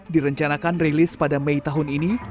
direncanakan rilis pada mei tahun ini